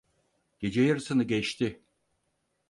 Gece yarısını geçti.